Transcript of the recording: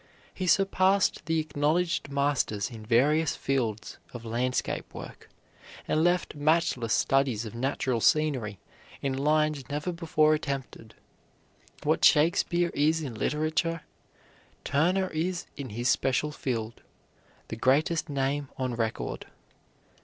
He surpassed the acknowledged masters in various fields of landscape work, and left matchless studies of natural scenery in lines never before attempted. What Shakespeare is in literature, Turner is in his special field, the greatest name on record.